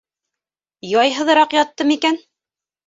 Яйһыҙыраҡ ятты микән?